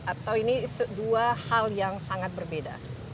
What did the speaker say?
atau ini dua hal yang sangat berbeda